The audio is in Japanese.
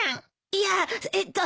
いやえっと